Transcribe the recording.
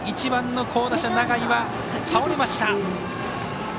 １番の好打者の永井は倒れました。